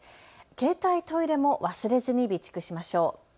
携帯トイレも忘れずに備蓄しましょう。